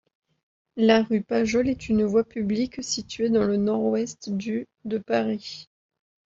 La rue Pajol est une voie publique située dans le nord-ouest du de Paris.